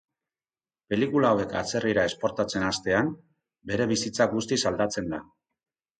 Pelikula hauek atzerrira esportatzen hastean, bere bizitza guztiz aldatzen da.